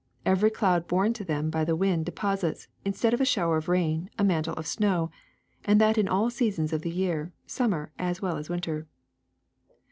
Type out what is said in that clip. Every cloud borne to them by the wind deposits, in stead of a shower of rain, a mantle of snow, and that in all seasons of the year, summer as well as winter.